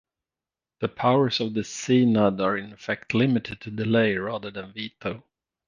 The powers of the Seanad are in effect limited to delay rather than veto.